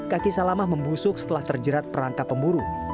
kaki salamah membusuk setelah terjerat perangkap pemburu